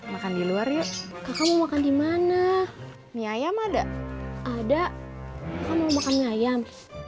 makan di luar yuk kamu makan dimana miayam ada ada kamu makan ayam